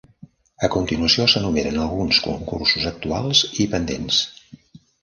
A continuació s'enumeren alguns concursos actuals i pendents.